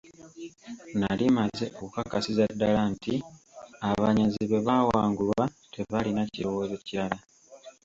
Nali mmaze okukakasiza ddala nti abanyazi bwe baawangulwa tebaalina kirowoozo kirala.